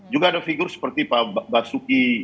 juga ada figur seperti pak basuki